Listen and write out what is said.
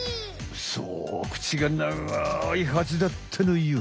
そう口が長いハチだったのよ。